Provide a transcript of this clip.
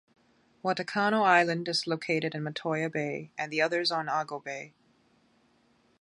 Watakano Island is located in Matoya Bay, and the others are in Ago Bay.